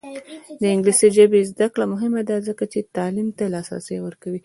د انګلیسي ژبې زده کړه مهمه ده ځکه چې تعلیم ته لاسرسی ورکوي.